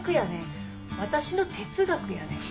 私の哲学やねん。